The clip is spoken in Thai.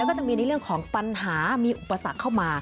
ก็จะมีในเรื่องของปัญหามีอุปสรรคเข้ามา